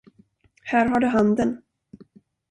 Här har du handen!